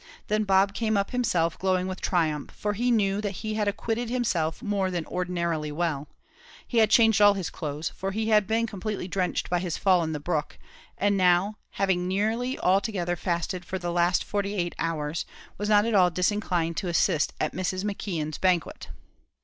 Then Bob came up himself, glowing with triumph, for he knew that he had acquitted himself more than ordinarily well. He had changed all his clothes, for he had been completely drenched by his fall in the brook; and now, having nearly altogether fasted for the last forty eight hours, was not at all disinclined to assist at Mrs. McKeon's banquet.